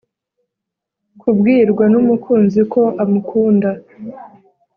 kubwirwa n’umukunzi ko amukunda,